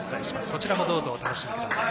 そちらもどうぞお楽しみください。